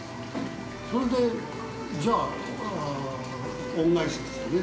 それで、じゃあ、恩返しですよね